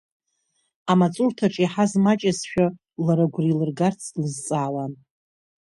Амаҵурҭаҿ иаҳаз маҷызшәа, лара агәра илыргарц длызҵаауан.